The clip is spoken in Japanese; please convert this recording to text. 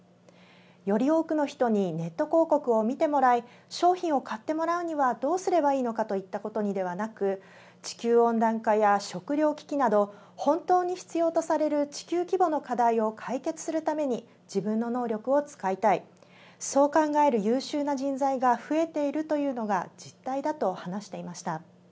より多くの人にネット広告を見てもらい商品を買ってもらうにはどうすればいいのかといったことにではなく地球温暖化や食糧危機など本当に必要とされる地球規模の課題を解決するために自分の能力を使いたいそう考える優秀な人材が増えているというのが実態だと話していました。